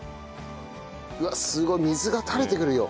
うわっすごい水が垂れてくるよ。